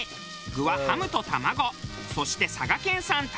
具はハムと卵そして佐賀県産玉ねぎ。